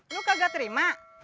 lu kagak terima